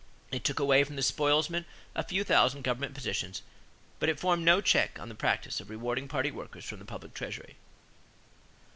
It took away from the spoilsmen a few thousand government positions, but it formed no check on the practice of rewarding party workers from the public treasury.